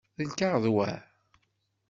D lkaɣeḍ wa?